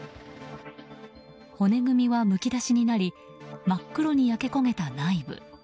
骨組みはむき出しになり真っ黒に焼け焦げた内部。